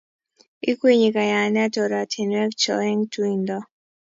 Ikwenyi kayanet oratinwek cho eng tuindo